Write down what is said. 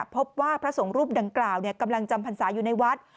พระสงฆ์รูปดังกล่าวกำลังจำพรรษาอยู่ในวัด